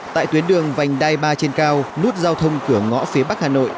tại tuyến đường vành đai ba trên cao nút giao thông cửa ngõ phía bắc hà nội